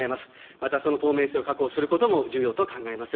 また、その透明性を確保することも重要と考えます。